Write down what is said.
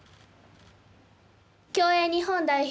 競泳日本代表